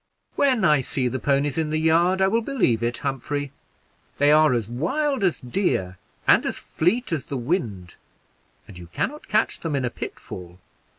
"When I see the ponies in the yard, I will believe it, Humphrey. They are as wild as deer and as fleet as the wind, and you can not catch them in a pitfall."